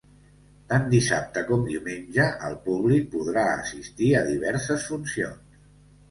Tant dissabte com diumenge el públic podrà assistir a diverses funcions.